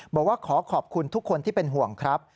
บอกว่าขอขอบคุณทุกคนที่เป็นห่วงครับ